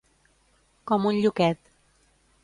Com un lluquet.